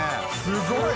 「すごい！」